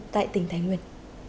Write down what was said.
tại tỉnh thái nguyên